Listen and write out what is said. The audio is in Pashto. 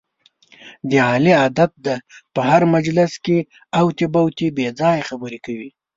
د علي عادت دی، په هر مجلس کې اوتې بوتې بې ځایه خبرې کوي.